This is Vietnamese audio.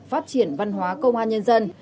phát triển văn hóa công an nhân dân